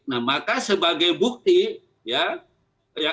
nah maka sebagai bukti ya